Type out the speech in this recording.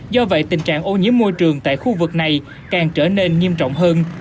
do vậy tình trạng ô nhiễm môi trường tại khu vực này càng trở nên nghiêm trọng hơn